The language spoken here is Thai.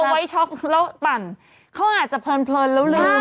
ไว้ช็อกแล้วปั่นเขาอาจจะเพลินแล้วลืม